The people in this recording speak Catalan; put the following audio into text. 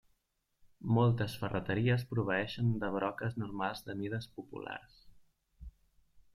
Moltes ferreteries proveeixen de broques normals de mides populars.